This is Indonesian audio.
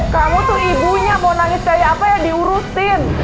kamu tuh ibunya mau nangis kayak apa ya diurusin